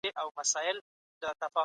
هغه وويل چي غيبت بد دی.